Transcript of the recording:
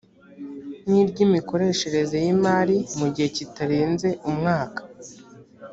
n iry imikoreshereze y imari mu gihe kitarenze umwaka